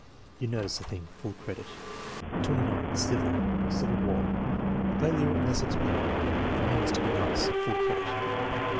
"You notice a thing." (Full credit.) 29. Civil "Civil War." (Failure unless explained.) "It means to be nice." (Full credit.)